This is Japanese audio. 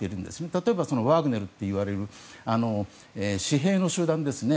例えば、ワグネルといわれる私兵の集団ですね。